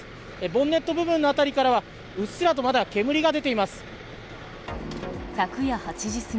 ボンネット部分の辺りからは、うっすらとまだ煙が出ています。